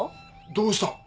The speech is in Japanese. どうした？